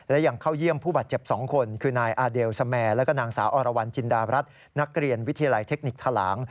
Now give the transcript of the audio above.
และยังเข้าเยี่ยมผู้บาดเจ็บ๒คนคือนายอาเดลสแมร์แล้วก็นางสาวอรวรรณจินดารัฐนักเรียนวิทยาลัยเทคนิคทะลาง